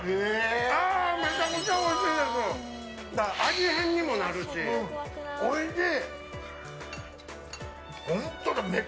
味変にもなるし、おいしい！